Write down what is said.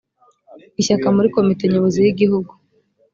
ishyaka muri komite nyobozi y igihugu